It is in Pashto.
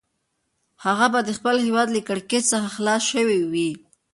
هغه به د خپل هیواد له کړکېچ څخه خلاص شوی وي.